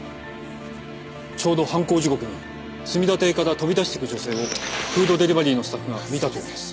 ちょうど犯行時刻に墨田邸から飛び出していく女性をフードデリバリーのスタッフが見たというんです。